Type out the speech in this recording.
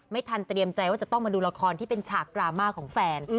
ไม่ทันเตรียมใจว่าจะต้องมาดูละครที่เป็นฉากดราม่าของแฟน